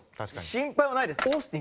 心配はないです。